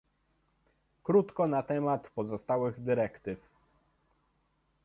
Krótko na temat pozostałych dyrektyw